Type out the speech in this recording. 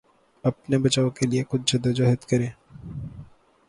اپنے بچاؤ کے لیے خود جدوجہد کریں